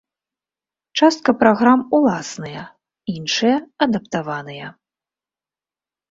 Частка праграм уласныя, іншыя адаптаваныя.